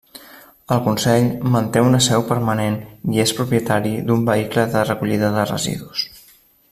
El consell manté una seu permanent i és propietari d'un vehicle de recollida de residus.